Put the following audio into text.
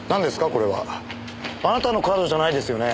これは。あなたのカードじゃないですよね？